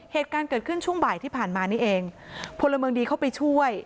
เหตุการณ์เกิดขึ้นช่วงบ่ายที่ผ่านมานี่เองพลเมืองดีเข้าไปช่วย